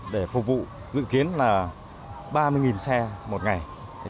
để phục vụ dự kiến là ba mươi xe một ngày